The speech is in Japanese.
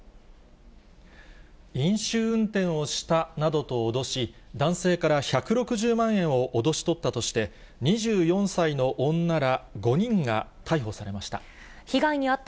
飲酒運転をしたなどと脅し、男性から１６０万円を脅し取ったとして、２４歳の女ら５人が逮捕されました。